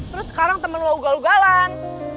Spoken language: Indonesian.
terus sekarang temen lo ugal ugalan